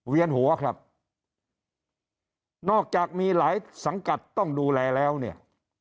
เวียนหัวครับนอกจากมีหลายสังกัดต้องดูแลแล้วเนี่ย